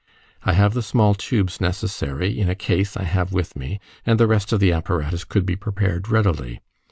I have the small tubes necessary, in a case I have with me, and the rest of the apparatus could be prepared readily.